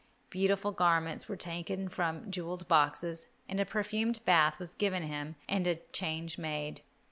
Beautiful garments were taken from jewelled boxes, and a perfumed bath was given him and a change made.